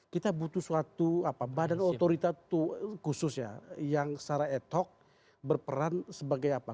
kita butuh suatu badan otoritas khusus yang secara etok berperan sebagai apa